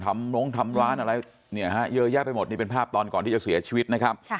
น้องทำร้านอะไรเนี่ยฮะเยอะแยะไปหมดนี่เป็นภาพตอนก่อนที่จะเสียชีวิตนะครับ